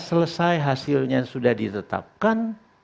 selesai hasilnya sudah ditetapkan